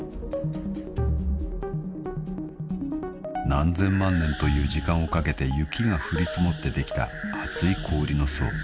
［何千万年という時間をかけて雪が降り積もってできた厚い氷の層］